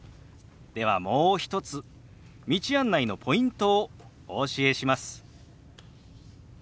ではもう一つ道案内のポイントをお教えします。